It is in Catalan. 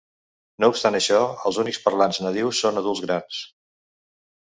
No obstant això, els únics parlants nadius són adults grans.